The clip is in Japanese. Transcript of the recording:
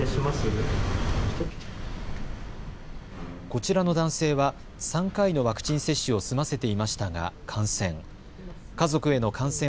こちらの男性は３回のワクチン接種を済ませていましたが感染。